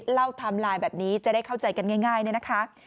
ไทม์ไลน์แบบนี้จะได้เข้าใจกันง่ายเนี่ยนะคะ